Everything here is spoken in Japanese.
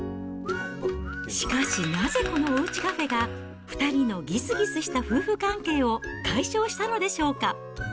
しかしなぜ、このおうちカフェが、２人のぎすぎすした夫婦関係を解消したのでしょうか。